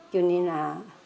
cho nên là